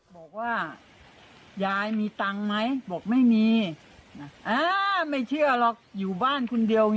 บอกว่ายายมีตังค์ไหมบอกไม่มีไม่เชื่อหรอกอยู่บ้านคนเดียว